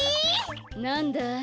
なんだい？